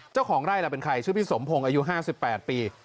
เจ้าของไร่ล่ะเป็นใครชื่อพี่สมพงศ์อายุ๕๘ปี